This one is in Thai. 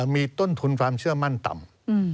มีต้นทุนความเชื่อมั่นต่ำ